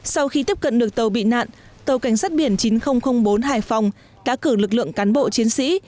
sau khi tiếp cận được tàu bị nạn tàu cảnh sát biển chín nghìn bốn hải phòng đã cử lực lượng cán bộ chiến sĩ